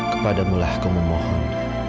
kepadamulah aku memohon